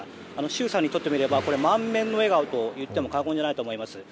習さんにとってみればこれ、満面の笑顔といっても過言ではないと思います。